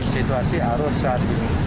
situasi arus saat ini